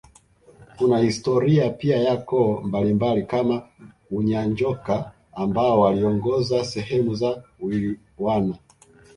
Kuna historia pia ya koo mbalimbali kama Unyanjoka ambao waliongoza sehemu za Wilwana